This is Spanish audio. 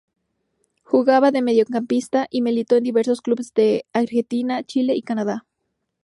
Jugaba de mediocampista y militó en diversos clubes de Argentina, Chile y Canadá.